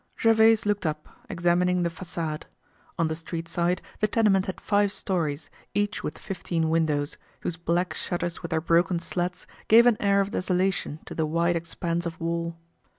Gervaise looked up, examining the facade. On the street side, the tenement had five stories, each with fifteen windows, whose black shutters with their broken slats gave an air of desolation to the wide expanse of wall.